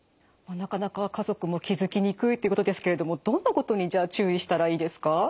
なかなか家族も気付きにくいということですけれどもどんなことにじゃあ注意したらいいですか？